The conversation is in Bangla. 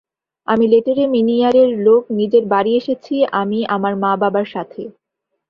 আমি লেটেরেমিনিয়ারের লোক নিজের বাড়ি এসেছি আমি আমার মা বাবার সাথে।